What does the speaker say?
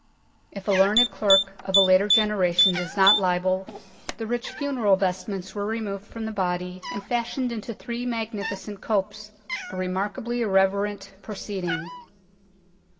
If a learned clerk of a later generation does not libel, the rich funeral vestments were removed from the body and fashioned into three magnificent copes a remark ably irreverent proceeding.